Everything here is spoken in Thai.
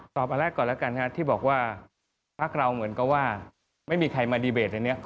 อันแรกก่อนแล้วกันที่บอกว่าพักเราเหมือนกับว่าไม่มีใครมาดีเบตอันนี้